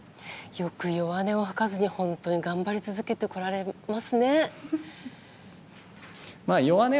よく弱音を吐かずに本当に頑張り続けていますね。